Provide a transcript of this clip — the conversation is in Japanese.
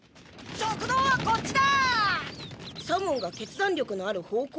食堂はこっちだ！